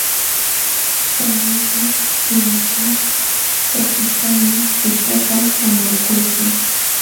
Wañuśhqa nunakaq llakiypaqmi tutapa haamakuykan.